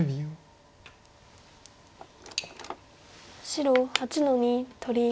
白８の一取り。